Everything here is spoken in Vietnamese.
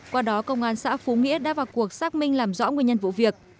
qua đó công an xã phú nghĩa đã vào cuộc xác minh làm rõ nguyên nhân vụ việc